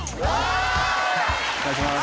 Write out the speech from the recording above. お願いします。